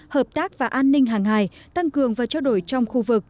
tác giác và an ninh hàng hài tăng cường và trao đổi trong khu vực